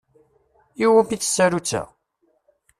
Iwumi-tt tsarutt-a?